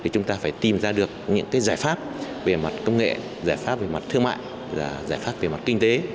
chúng ta phải tìm ra được những giải pháp về mặt công nghệ giải pháp về mặt thương mại và giải pháp về mặt kinh tế